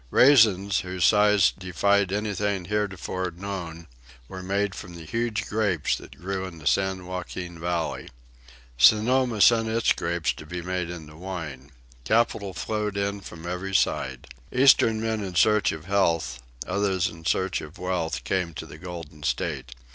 Raisins, whose size defied anything heretofore known, were made from the huge grapes that grew in the San Joaquin Valley. Sonoma sent its grapes to be made into wine. Capital flowed in from every side. Eastern men in search of health, others in search of wealth, came to the Golden State.